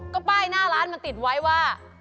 ก็ป้ายหน้าร้านมันติดไว้ว่า